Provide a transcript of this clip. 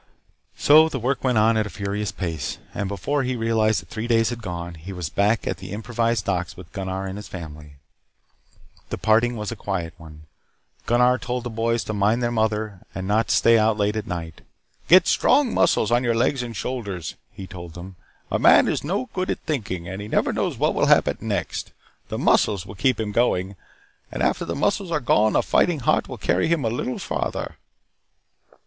So the work went on at a furious pace, and before he realized that three days had gone he was back at the improvised docks with Gunnar and his family. The parting was a quiet one. Gunnar told the boys to mind their mother and not stay out late at night. "Get strong muscles on your legs and shoulders," he told them. "A man is not too good at thinking, and he never knows what will happen next. The muscles will keep him going, and after the muscles are gone a fighting heart will carry him a little farther."